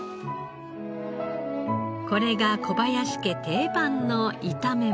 これが小林家定番の炒め物。